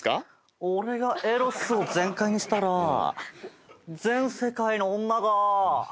俺がエロスを全開にしたら全世界の女が。